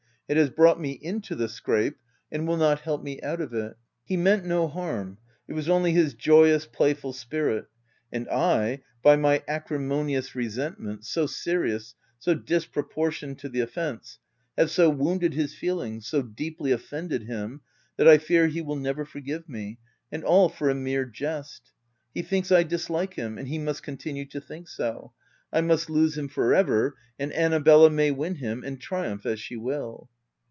It has brought me into the scrape, and will not help me out of it. OF WILDFELL HALL. 341 He meant no harm — it was only his joyous, playful spirit ; and I, by my acrimonious re sentment — so serious, so disproportioned to the offence — have so wounded his feelings — so deeply offended him, that I fear he will never forgive me — and all for a mere jest ! He thinks I dislike him, — and he must continue to think so. I must lose him for ever ; and Annabella may win him, and triumph as she w r ill.